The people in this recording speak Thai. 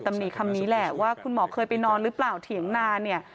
คำนี้แหละว่าคุณหมอเคยไปนอนหรือเปล่าเถียงนาเนี่ย